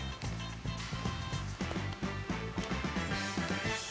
よし！